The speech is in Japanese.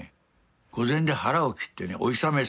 御前で腹を切ってねお諫めすると。